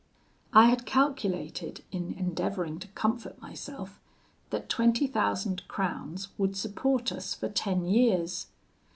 "I had calculated in endeavouring to comfort myself, that twenty thousand crowns would support us for ten years.